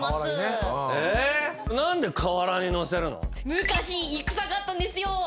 昔戦があったんですよ。